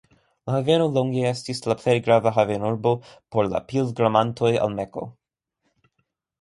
La haveno longe estis la plej grava havenurbo por la pilgrimantoj al Mekko.